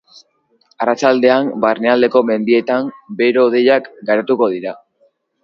Arratsaldean, barnealdeko mendietan bero-hodeiak garatuko dira.